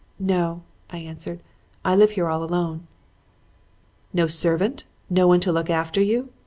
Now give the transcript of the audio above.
"'No,' I answered, 'I live here all alone.' "'No servant! No one to look after you?'